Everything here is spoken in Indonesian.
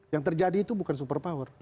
yang terjadi itu bukan super power